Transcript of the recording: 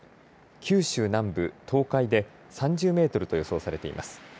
九州南部、東海で３０メートルと予想されています。